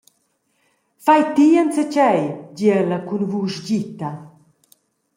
«Fai ti enzatgei», di ella cun vusch gita.